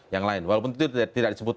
yang lain walaupun itu tidak disebut